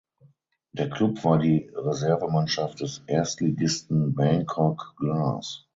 Der Club war die Reservemannschaft des Erstligisten Bangkok Glass.